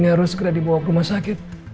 ini harus segera dibawa ke rumah sakit